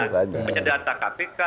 kita punya data kpk